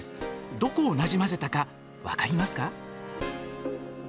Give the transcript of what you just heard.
どこをなじませたか分かりますか？